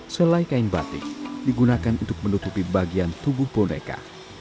selai kain batik digunakan untuk menutupi bagian tubuh boneka